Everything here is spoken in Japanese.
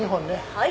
はい。